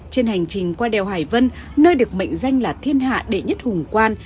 trên hành trình qua đèo hải vân nơi được mệnh danh là thiên hạ đệ nhất hùng quan